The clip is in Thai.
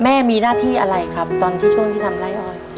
แม่มีหน้าที่อะไรครับตอนที่ช่วงที่ทำไล่อ้อย